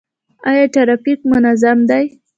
آیا ټرافیک منظم دی؟